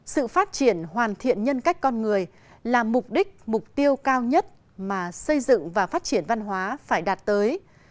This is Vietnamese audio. sự phát triển hoàn thiện nhân cách con người là mục đích mục tiêu cao nhất mà xây dựng và phát triển văn hóa phải đạt tới